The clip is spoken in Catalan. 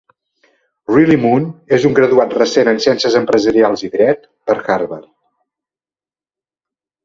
Riley Moon és un graduat recent en Ciències empresarials i Dret per Harvard.